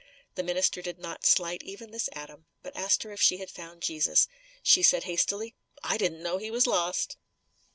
The minister did not slight even this atom, but asked her if she had found Jesus. She said hastily, "I didn't know he was lost."